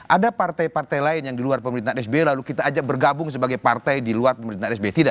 ada partai partai lain yang di luar pemerintahan sby lalu kita ajak bergabung sebagai partai di luar pemerintahan sby tidak